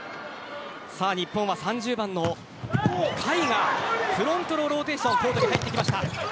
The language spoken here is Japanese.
日本は３０番の甲斐がフロントのローテーション入ってきました。